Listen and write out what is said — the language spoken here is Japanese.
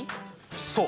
そう！